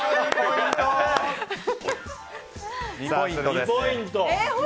２ポイント！